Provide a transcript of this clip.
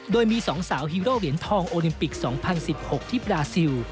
โดยมี๒สาวฮีโร่เหรียญทองโอลิมปิก๒๐๑๖ที่บราซิล